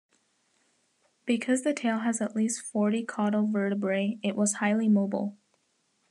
Because the tail had at least forty caudal vertebrae, it was highly mobile.